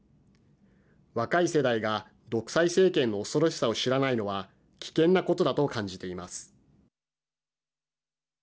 若い世代が独裁政権の恐ろしさを知らないのは危険なことだと感じています。